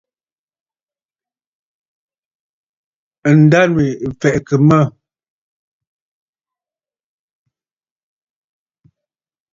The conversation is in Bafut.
Ǹdânwì ɨ̀ fɛ̀ʼɛ̀kə̀ mə̂.